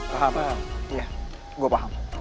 paham iya gue paham